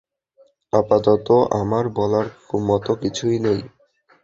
আপাতত আমার বলার মতো কিছুই নেই।